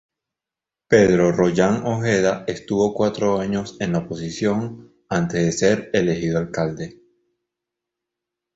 Pedro Rollán Ojeda estuvo cuatro años en la oposición antes de ser elegido alcalde.